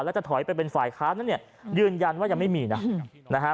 และจะถอยไปเป็นฝ่ายค้านั้นยืนยันว่ายังไม่มีนะฮะ